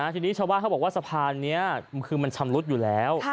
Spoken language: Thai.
ทีนี้ชาวบ้านเขาบอกว่าสะพานนี้คือมันชำรุดอยู่แล้ว